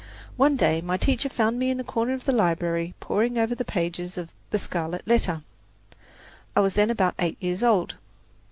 One day my teacher found me in a corner of the library poring over the pages of "The Scarlet Letter." I was then about eight years old.